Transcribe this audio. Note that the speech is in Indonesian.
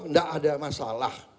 tidak ada masalah